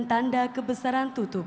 tadi yakin ku teguh